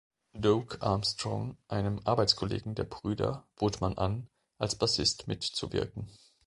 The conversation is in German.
Doug Armstrong, einem Arbeitskollegen der Brüder bot man an, als Bassist mitzuwirken.